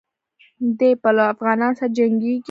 دی به له افغانانو سره جنګیږي.